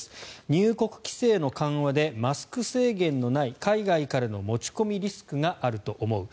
入国規制の緩和でマスク制限のない海外からの持ち込みリスクがあると思う。